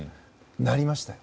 なりましたよ。